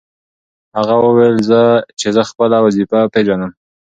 هغه وویل چې زه خپله وظیفه پېژنم.